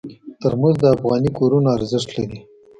ترموز د افغاني کورونو ارزښت لري.